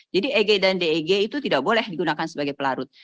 jadi eg dan deg itu tidak boleh digunakan sebagai pelarut